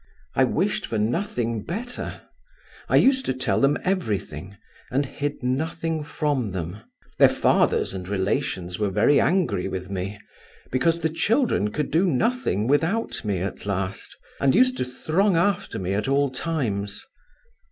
I wished for nothing better; I used to tell them everything and hid nothing from them. Their fathers and relations were very angry with me, because the children could do nothing without me at last, and used to throng after me at all times.